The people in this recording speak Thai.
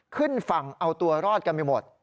ขึ้นฝั่งเอาตัวรอดกันไปหมด